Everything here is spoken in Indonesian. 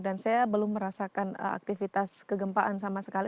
dan saya belum merasakan aktivitas kegempaan sama sekali